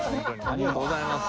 ありがとうございます。